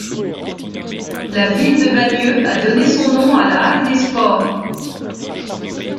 La ville de Bagneux a donné son nom à la halle des sports.